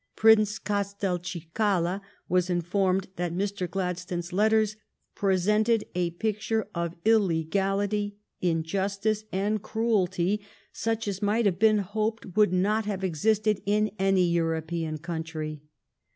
Prince Oastelcicala was informed that Mr. Glad stone's letters presented a picture of illegality, injustice, and cruelty, such as might have been hoped would not have existed in any European country.